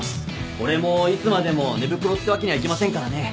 俺もいつまでも寝袋ってわけにはいきませんからね。